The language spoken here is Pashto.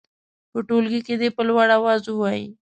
په ټولګي کې دې په لوړ اواز ووايي.